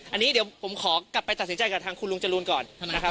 อันนี้เดี๋ยวผมขอกลับไปตัดสินใจกับทางคุณลุงจรูนก่อนนะครับ